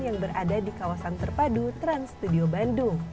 yang berada di kawasan terpadu trans studio bandung